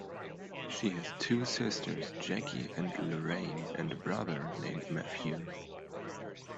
She has two sisters, Jackie and Lorraine, and a brother named Matthew.